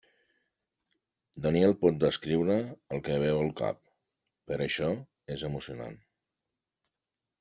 Daniel pot descriure el que veu al cap, per això és emocionant.